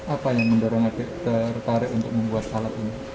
apa yang mendorong adik adik retarik untuk membuat salat ini